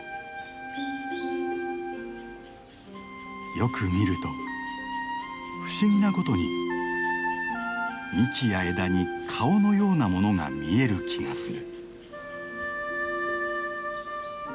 よく見ると不思議なことに幹や枝に顔のようなものが見える気がする。